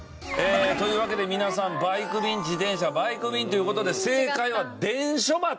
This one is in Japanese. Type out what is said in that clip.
というわけで皆さんバイク便自転車バイク便という事で正解は伝書鳩。